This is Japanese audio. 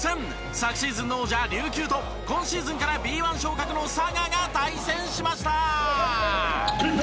昨シーズンの王者琉球と今シーズンからＢ１昇格の佐賀が対戦しました！